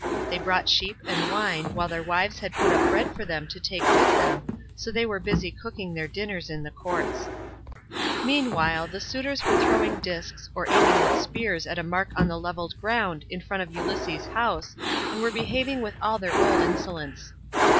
They brought sheep and wine, while their wives had put up bread for them to take with them; so they were busy cooking their dinners in the courts].49 Meanwhile the suitors were throwing discs or aiming with spears at a mark on the levelled ground in front of Ulysses' house, and were behaving with all their old insolence.